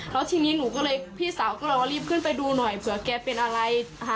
แล้วทีนี้หนูก็เลยพี่สาวก็เลยรีบขึ้นไปดูหน่อยเผื่อแกเป็นอะไร